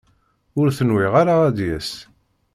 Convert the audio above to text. Ur t-nwiɣ ara ad d-yas.